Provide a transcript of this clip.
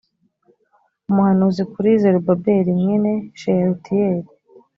umuhanuzi kuri zerubabeli mwene sheyalutiyeli